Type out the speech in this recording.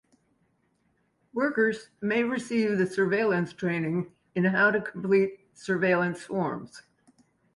Workers may receive the surveillance training in how to complete surveillance forms.